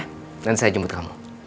ren saya jemput kamu